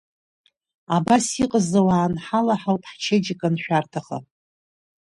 Абас иҟаз ауаа анҳалаҳауп ҳчеиџьыка аншәарҭаха.